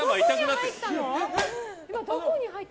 どこに入ったの？